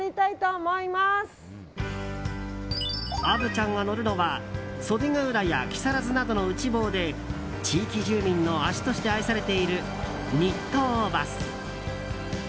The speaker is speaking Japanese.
虻ちゃんが乗るのは袖ケ浦や木更津などの内房で地域住民の足として愛されている日東バス。